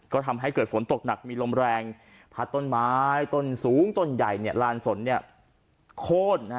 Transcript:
ก็ทำให้เกิดฝนตกหนักมีลมแรงพัดต้นไม้ต้นสูงต้นใหญ่ลานสนโค้น